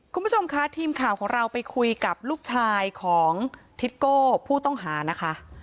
คุณผู้ชมค่ะทีมข่าวของเราไปคุยกับลูกชายของทิโก้ผู้ต้องหานะคะ